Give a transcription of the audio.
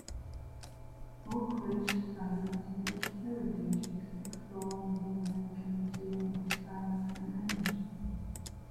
Oak Ridge's scientific heritage is explored in the American Museum of Science and Energy.